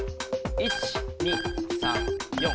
１２３４。